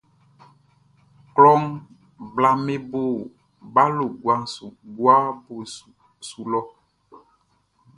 Klɔ blaʼm be bo balo guabo su lɔ.